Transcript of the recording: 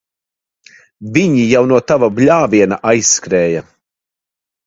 Viņi jau no tava bļāviena aizskrēja.